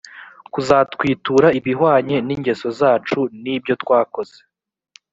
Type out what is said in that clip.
kuzatwitura ibihwanye n ingeso zacu n ibyo twakoze